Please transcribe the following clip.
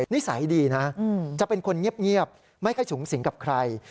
นิสัยดีนะจะเป็นคนเงียบไม่ค่อยสูงสิงกับใคร